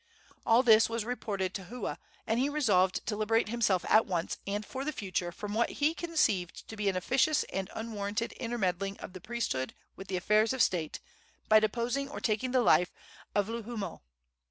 All this was reported to Hua, and he resolved to liberate himself at once and for the future from what he conceived to be an officious and unwarranted intermeddling of the priesthood with the affairs of state, by deposing or taking the life of Luahoomoe.